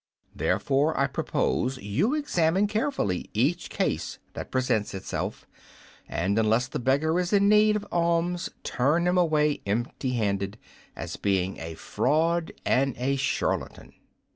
Therefore I propose you examine carefully each case that presents itself, and unless the beggar is in need of alms turn him away empty handed, as being a fraud and a charlatan."